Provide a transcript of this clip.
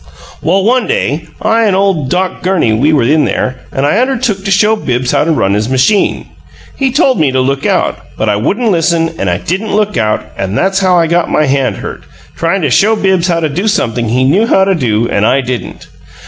"Well, one day I an' ole Doc Gurney, we were in there, and I undertook to show Bibbs how to run his machine. He told me to look out, but I wouldn't listen, and I didn't look out and that's how I got my hand hurt, tryin' to show Bibbs how to do something he knew how to do and I didn't.